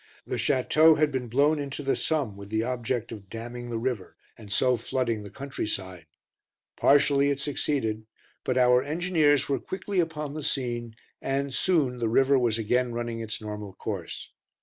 The Château had been blown into the Somme, with the object of damming the river, and so flooding the country side; partially it succeeded, but our engineers were quickly upon the scene and, soon, the river was again running its normal course.